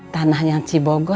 tanah yang cibogo